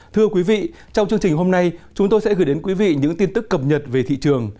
thưa quý vị trong chương trình hôm nay chúng tôi sẽ gửi đến quý vị những tin tức cập nhật về thị trường